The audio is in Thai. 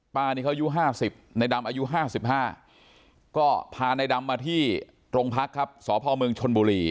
ป้านี่เขาอายุ๕๐ในดำอายุ๕๕ก็พาในดำมาที่โรงพักครับสพเมืองชนบุรี